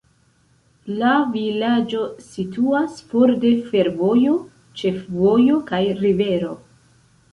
La vilaĝo situas for de fervojo, ĉefvojo kaj rivero.